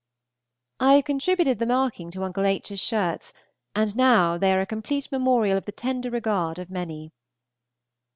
I have contributed the marking to Uncle H.'s shirts, and now they are a complete memorial of the tender regard of many.